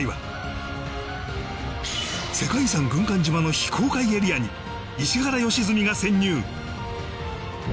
世界遺産軍艦島の非公開エリアに石原良純が潜入